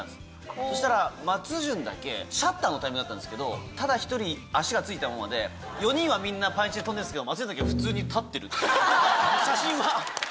そうしたら、松潤だけシャッターのタイミングだったんですけど、ただ１人、足がついたままで、４人はみんな跳んでるんですけど、松潤だけ立ってるっていう。